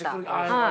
はい。